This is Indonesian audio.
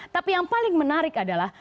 tapi yang paling menarik adalah